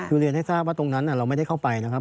โดยเรียนให้ทราบว่าตรงนั้นเลิกไปไม่ได้